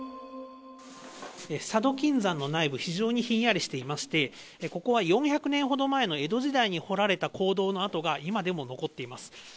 佐渡金山の内部、非常にひんやりしていまして、ここは４００年ほど前の江戸時代に掘られた坑道の跡が今でも残っています。